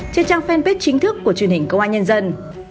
trên trang fanpage chính thức của truyền hình công an nhân dân